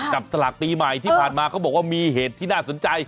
จับสลากปีใหม่ที่ผ่านมาเขาบอกว่ามีเหตุที่น่าสนใจ